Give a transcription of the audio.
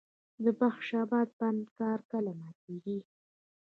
د بخش اباد بند کار کله ماتیږي؟